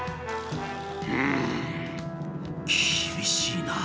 「うん厳しいな」。